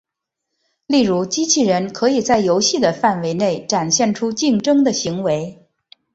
例如机器人可以在游戏的范围内展现出竞争的行为。